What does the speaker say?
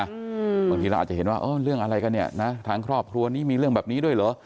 บางทีเราอาจจะเห็นว่าเออเรื่องอะไรกันเนี่ยนะทางครอบครัวนี้มีเรื่องแบบนี้ด้วยเหรอ